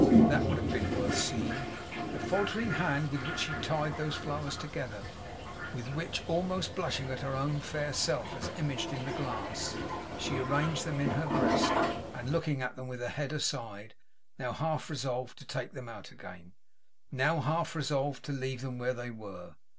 That would have been worth seeing. The faltering hand with which she tied those flowers together; with which, almost blushing at her own fair self as imaged in the glass, she arranged them in her breast, and looking at them with her head aside, now half resolved to take them out again, now half resolved to leave them where they were.